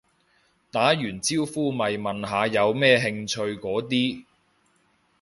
打完招呼咪問下有咩興趣嗰啲